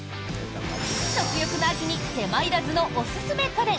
食欲の秋に手間いらずのおすすめ家電。